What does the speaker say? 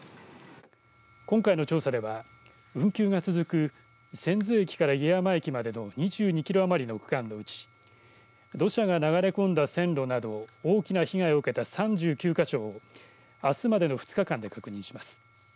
今回の調査では運休が続く千頭駅から家山駅までの２２キロ余りの区間のうち土砂が流れ込んだ線路など大きな被害を受けた３９か所をあすまでの２日間で確認します。